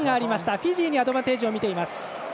フィジーにアドバンテージをみています。